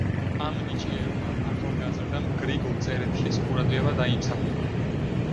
აქ ნიჭიერმა ახალგაზრდამ გრიგოლ წერეთლის ყურადღება დაიმსახურა.